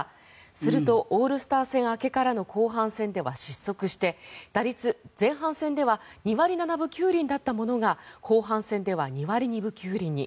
すると、オールスター戦明けの後半戦では失速して打率、前半戦では２割７分９厘だったものが後半戦では２割２分９厘に。